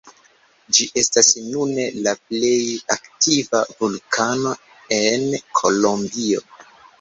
Ĝi estas nune la plej aktiva vulkano en Kolombio.